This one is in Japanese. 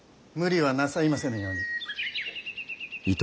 無理はなさいませぬように。